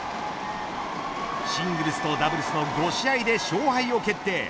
シングルスとダブルスの５試合で勝敗を決定